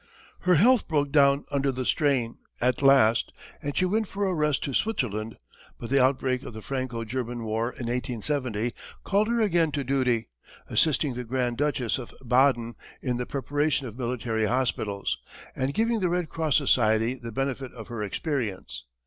Her health broke down under the strain, at last, and she went for a rest to Switzerland, but the outbreak of the Franco German war, in 1870, called her again to duty, assisting the grand duchess of Baden in the preparation of military hospitals, and giving the Red Cross Society the benefit of her experience.